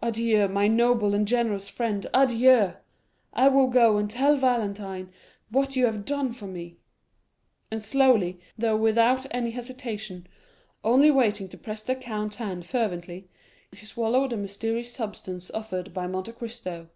Adieu, my noble and generous friend, adieu; I will go and tell Valentine what you have done for me." And slowly, though without any hesitation, only waiting to press the count's hand fervently, he swallowed the mysterious substance offered by Monte Cristo.